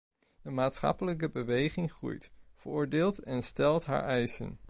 De maatschappelijke beweging groeit, veroordeelt en stelt haar eisen.